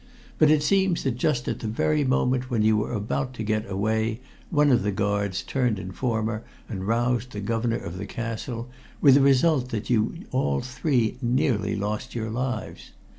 But it seems that just at the very moment when you were about to get away one of the guards turned informer and roused the governor of the castle, with the result that you all three nearly lost your lives.